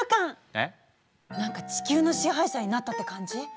何か地球の支配者になったって感じ？